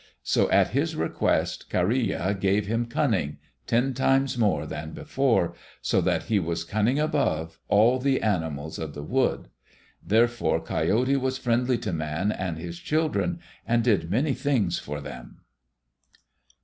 So at his request, Kareya gave him cunning, ten times more than before, so that he was cunning above all the animals of the wood. Therefore Coyote was friendly to Man and his children, and did many things for them.